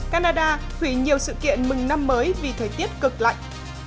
canada hủy nhiều sự kiện mừng năm mới vì thời tiết cực lạnh